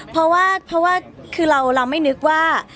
เพราะว่าคือเราไม่นึกว่า